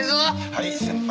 はい先輩。